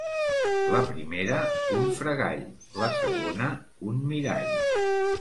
La primera, un fregall; la segona, un mirall.